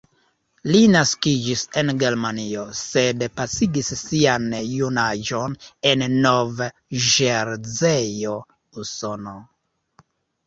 Li naskiĝis en Germanio, sed pasigis sian junaĝon en Nov-Ĵerzejo, Usono.